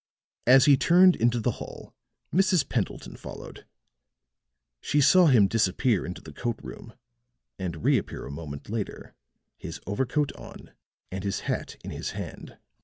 As he turned into the hall, Mrs. Pendleton followed; she saw him disappear into the coat room, and reappear a moment later, his overcoat on and his hat in his hand.